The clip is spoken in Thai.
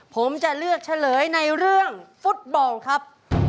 ผมจะเลือกเฉลยในเรื่องฟุตบอลครับ